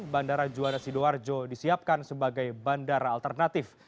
bandara juanda sidoarjo disiapkan sebagai bandara alternatif